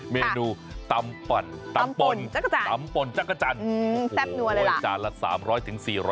เมนูตำปั่นตำป่นจักรจันทร์โอ้โหจานละ๓๐๐๔๐๐บาท